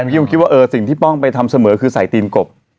ยิ่งคิดว่าสิ่งที่ป้องไปทำเสมอคือใส่ตีนกบ